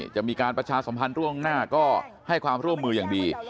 จะมีการประชาสัมพันธ์ล่วงหน้าก็ให้ความร่วมมืออย่างดี